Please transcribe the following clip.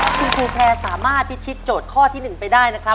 คุณครูแพร่สามารถพิชิตการโจทย์ที่หนึ่งไปได้นะครับ